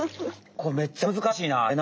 これめっちゃむずかしいな。